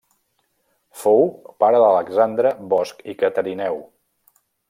Fou pare d'Alexandre Bosch i Catarineu.